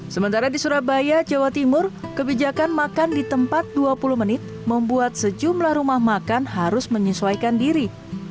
sementara di surabaya jawa timur kebijakan makan di tempat dua puluh menit membuat sejumlah rumah makan harus menyesuaikan diri